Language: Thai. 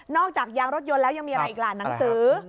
จากยางรถยนต์แล้วยังมีอะไรอีกล่ะหนังสือ